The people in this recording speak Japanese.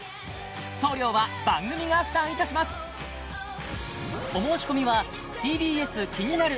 送料は番組が負担いたしますジャーン！